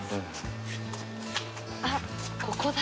あっここだ。